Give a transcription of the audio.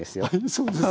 そうですか。